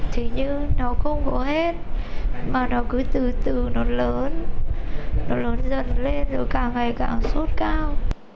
thế nhưng nó không có hết mà nó cứ từ từ nó lớn nó lớn dần lên rồi càng ngày càng suốt cao